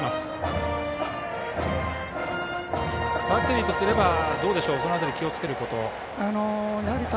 バッテリーとすればどうでしょうその辺りで気をつけることは。